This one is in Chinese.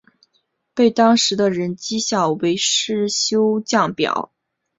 被当时的人讥笑为世修降表。